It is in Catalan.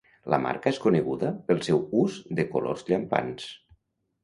La marca és coneguda pel seu ús de colors llampants.